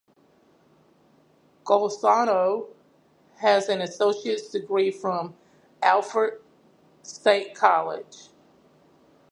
Golisano has an associate's degree from Alfred State College.